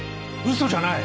嘘じゃない！